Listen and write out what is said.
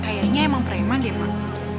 kayaknya emang preman deh mak